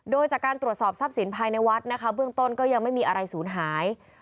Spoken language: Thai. โดยจากการตรวจสอบทรัพย์สินภายในวัดนะคะเบื้องต้นก็ยังไม่มีอะไรศูนย์หาย